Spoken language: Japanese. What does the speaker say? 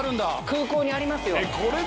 空港にありますよ。